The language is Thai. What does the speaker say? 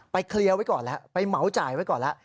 เคลียร์ไว้ก่อนแล้วไปเหมาจ่ายไว้ก่อนแล้ว